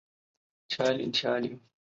毕业于武汉大学。